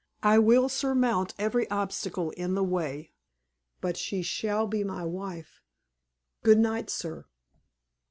I will surmount every obstacle in the way; but she shall be my wife! Good night, sir."